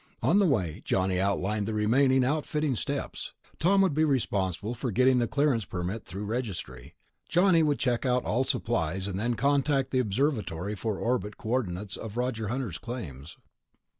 On the way Johnny outlined the remaining outfitting steps. Tom would be responsible for getting the clearance permit through Registry; Johnny would check out all supplies, and then contact the observatory for the orbit coordinates of Roger Hunter's claims.